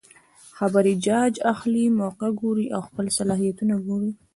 د خبرې جاج اخلي ،موقع ګوري او خپل صلاحيتونه ګوري